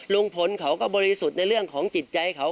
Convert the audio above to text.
ลุงพลเขาก็บริสุทธิ์ในเรื่องของจิตใจเขา